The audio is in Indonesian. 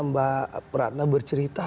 mbak ratna bercerita